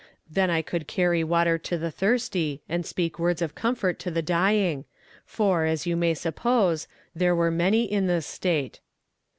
Then I could carry water to the thirsty, and speak words of comfort to the dying; for, as you may suppose, there were many in this state."